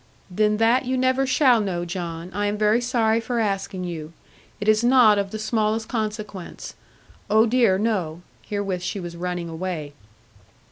'Then that you never shall know, John. I am very sorry for asking you. It is not of the smallest consequence. Oh, dear, no.' Herewith she was running away.